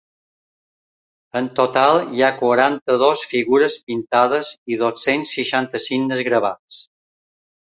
En total hi ha quaranta-dos figures pintades i dos-cents seixanta signes gravats.